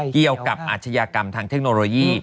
เกี่ยวกับอาชญากรรมทางเทคโนโลยี